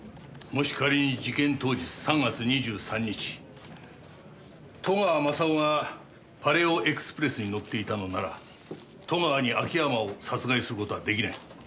もし仮に事件当日３月２３日戸川雅夫がパレオエクスプレスに乗っていたのなら戸川に秋山を殺害する事は出来ない。